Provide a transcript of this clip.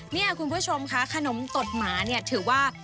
นี่คุณผู้ชมค่ะขนมตดหมาเนี่ยถือว่า